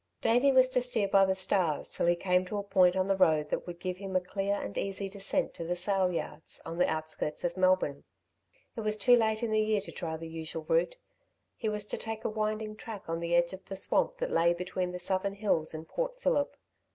Davey was to steer by the stars till he came to a point on the road that would give him a clear and easy descent to the sale yards on the outskirts of Melbourne. It was too late in the year to try the usual route. He was to take a winding track on the edge of the swamp that lay between the southern hills and Port Phillip.